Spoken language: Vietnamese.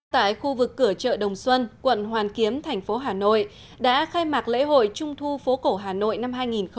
tại khu vực cửa chợ đồng xuân quận hoàn kiếm thành phố hà nội đã khai mạc lễ hội trung thu phố cổ hà nội năm hai nghìn một mươi chín